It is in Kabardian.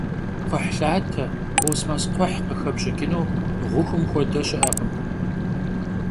Kxhuhlhate, kosmos kxhuh khıxepş'ıç'ınu ğuxum xuede şı'ekhım.